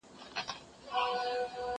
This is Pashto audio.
زه به ښوونځی ته تللي وي،